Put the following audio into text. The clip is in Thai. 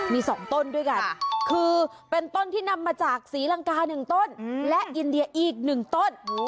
มี๒ต้นด้วยกันคือเป็นต้นที่นำมาจากศรีลังกา๑ต้นและอินเดียอีก๑ต้น